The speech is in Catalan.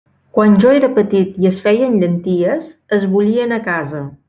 Quan jo era petit i es feien llenties, es bullien a casa.